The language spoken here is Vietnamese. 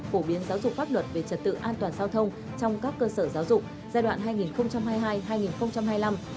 phổ biến giáo dục pháp luật về trật tự an toàn giao thông trong các cơ sở giáo dục giai đoạn hai nghìn hai mươi hai hai nghìn hai mươi năm